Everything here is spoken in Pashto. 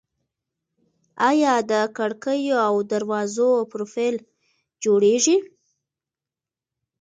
آیا د کړکیو او دروازو پروفیل جوړیږي؟